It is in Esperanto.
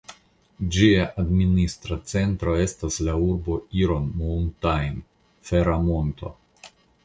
Ĝia administra centro estas la urbo "Iron Mountain" ("Fera Monto").